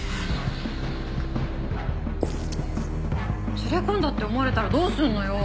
連れ込んだって思われたらどうすんのよ。